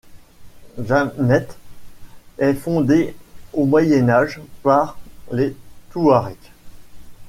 Djanet est fondée au Moyen Âge par les Touaregs.